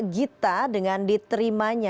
gita dengan diterimanya